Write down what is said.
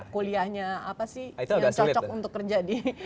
kuliahnya apa sih yang cocok untuk kerja di